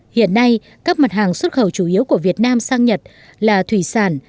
hiện nay các mặt hàng xuất khẩu chủ yếu của việt nam sang nhật là thủy sản